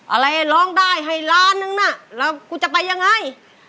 อะไรร้องได้ให้ล้านนึงน่ะแล้วกูจะไปยังไง